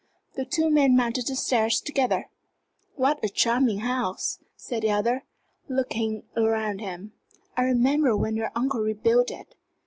The two men mounted the stairs together. "What a charming house!" said the elder, looking round him. "I remember when your uncle rebuilt it.